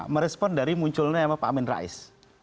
merespon dari munculnya pak amin rais